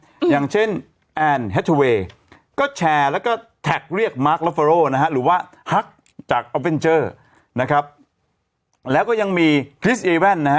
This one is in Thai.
อืมอย่างเช่นแอนแฮทเทอร์เวย์ก็แชร์แล้วก็เรียกนะฮะหรือว่าจากนะครับแล้วก็ยังมีนะฮะ